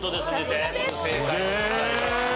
全部正解でございました。